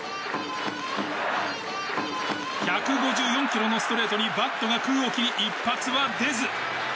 １５４キロのストレートにバットが空を切り一発は出ず。